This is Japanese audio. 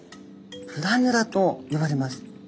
プラヌラと呼ばれます。